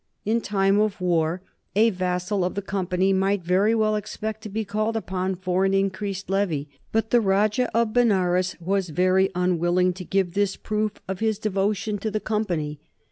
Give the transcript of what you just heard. In time of war a vassal of the Company might very well expect to be called upon for an increased levy. But the Rajah of Benares was very unwilling to give this proof of his devotion to the Company.